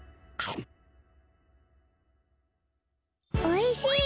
おいしい！